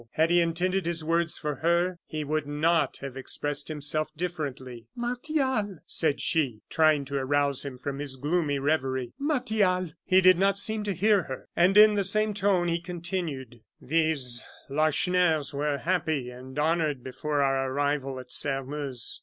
Had he intended his words for her, he would not have expressed himself differently. "Martial," said she, trying to arouse him from his gloomy revery, "Martial." He did not seem to hear her, and, in the same tone, he continued: "These Lacheneurs were happy and honored before our arrival at Sairmeuse.